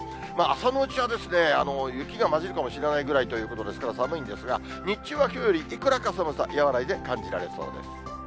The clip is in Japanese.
朝のうちは雪が交じるかもしれないくらいということですから、寒いんですが、日中はきょうよりいくらか寒さ、和らいで感じられそうです。